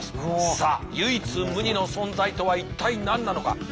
さあ唯一無二の存在とは一体何なのか。